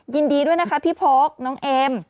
ยินดีด้วยนะคะพี่พกน้องเอ็ม